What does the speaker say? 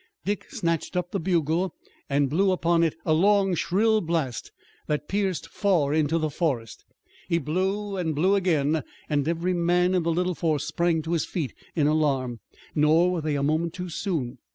Dick snatched up the bugle and blew upon it a long shrill blast that pierced far into the forest. He blew and blew again, and every man in the little force sprang to his feet in alarm. Nor were they a moment too soon.